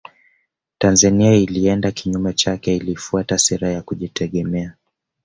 Tanzania ilienda kinyume chake ilifuata sera za kujitegemea